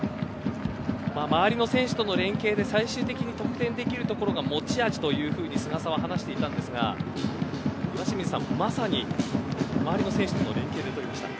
周りの選手との連携で最終的に得点できるところが持ち味というように菅澤は話していたんですが岩清水さん、まさに周りの選手との連係で取りました。